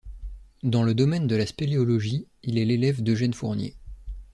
Dans le domaine de la spéléologie, il est l'élève d'Eugène Fournier.